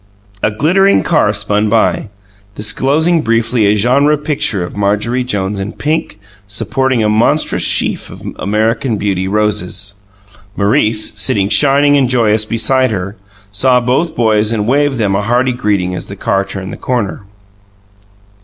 A glittering car spun by, disclosing briefly a genre picture of Marjorie Jones in pink, supporting a monstrous sheaf of American Beauty roses. Maurice, sitting shining and joyous beside her, saw both boys and waved them a hearty greeting as the car turned the corner.